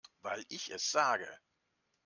Weil ich es sage.